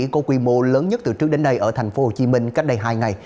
có quy mô lớn nhất từ trước đến nay ở tp hcm cách đây hai ngày